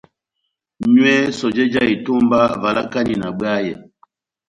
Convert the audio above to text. Nywɛ sɔjɛ já etomba, valakani na bwayɛ.